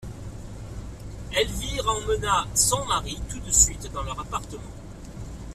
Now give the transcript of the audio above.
Elvire emmena son mari tout de suite dans leur appartement.